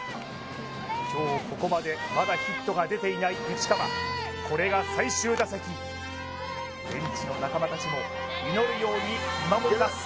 今日ここまでまだヒットが出ていない内川これが最終打席ベンチの仲間達も祈るように見守ります